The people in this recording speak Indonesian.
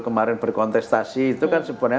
kemarin berkontestasi itu kan sebenarnya